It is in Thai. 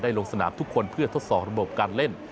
ลงสนามทุกคนเพื่อทดสอบระบบการเล่น